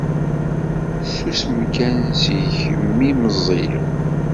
Tusem kan seg-k imi meẓẓiyed.